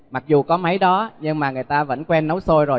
mặc dù có máy đó nhưng mà người ta vẫn quen nấu sôi rồi